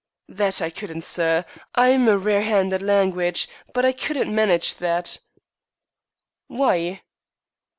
"That I couldn't, sir. I am a rare 'and at langwidge, but I couldn't manage that." "Why?"